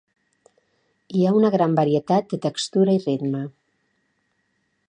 Hi ha una gran varietat de textura i ritme.